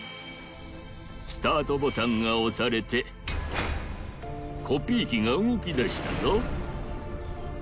スタートボタンがおされてコピーきがうごきだしたぞ。